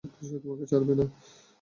সে তোমাকে ছাড়বে না।